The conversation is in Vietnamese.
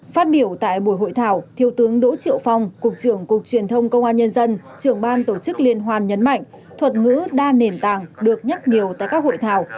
phát biểu tại buổi hội thảo thiếu tướng đỗ triệu phong cục trưởng cục truyền thông công an nhân dân trưởng ban tổ chức liên hoan nhấn mạnh thuật ngữ đa nền tảng được nhắc nhiều tại các hội thảo